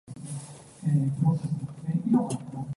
一雙